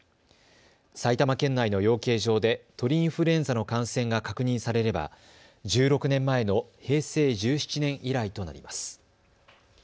埼玉県内の養鶏場で鳥インフルエンザの感染が確認されれば１６年前の平成１７年以来となります。